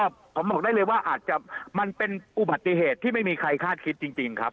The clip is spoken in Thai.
ผมบอกได้เลยว่าอาจจะมันเป็นอุบัติเหตุที่ไม่มีใครคาดคิดจริงครับ